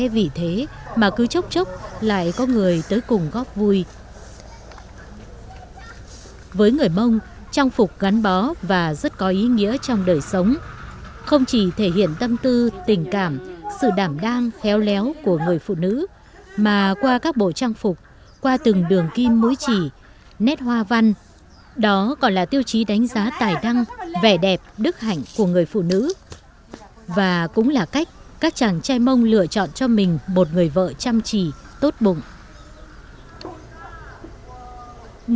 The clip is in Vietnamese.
với người mông trang phục gắn bó và rất có ý nghĩa trong đời sống không chỉ thể hiện tâm tư tình cảm sự đảm đang khéo léo của người phụ nữ mà qua các bộ trang phục qua từng đường kim mũi chỉ nét hoa văn đó còn là tiêu chí đánh giá tài tăng vẻ đẹp đức hạnh của người phụ nữ và cũng là cách các chàng trai mông lựa chọn cho mình một người vợ chăm chỉ tốt bụng